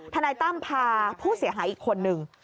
นายตั้มพาผู้เสียหายอีกคนนึง